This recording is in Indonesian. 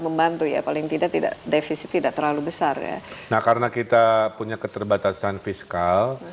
membantu ya paling tidak tidak defisit tidak terlalu besar ya nah karena kita punya keterbatasan fiskal